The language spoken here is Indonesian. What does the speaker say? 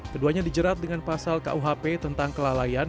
keduanya dijerat dengan pasal kuhp tentang kelalaian